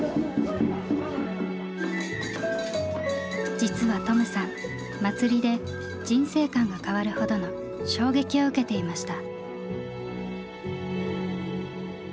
実はトムさん祭りで人生観が変わるほどの衝撃を受けていました。